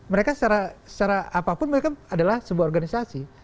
mereka secara apapun mereka adalah sebuah organisasi